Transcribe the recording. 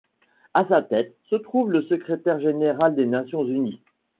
À sa tête, se trouve le secrétaire général des Nations unies.